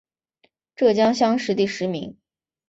浙江乡试第十名。